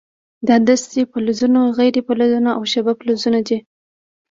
دا دستې فلزونه، غیر فلزونه او شبه فلزونه دي.